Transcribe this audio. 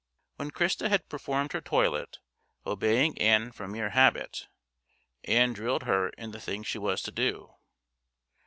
When Christa had performed her toilet, obeying Ann from mere habit, Ann drilled her in the thing she was to do.